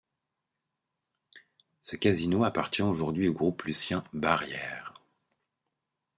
Ce casino appartient aujourd'hui au Groupe Lucien Barrière.